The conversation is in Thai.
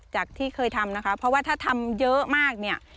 จากที่เคยทำนะคะเพราะว่าถ้าทำเยอะมากเนี่ย